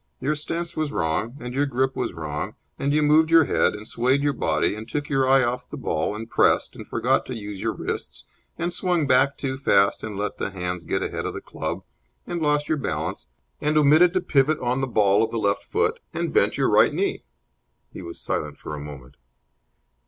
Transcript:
"Your stance was wrong, and your grip was wrong, and you moved your head, and swayed your body, and took your eye off the ball, and pressed, and forgot to use your wrists, and swung back too fast, and let the hands get ahead of the club, and lost your balance, and omitted to pivot on the ball of the left foot, and bent your right knee." He was silent for a moment.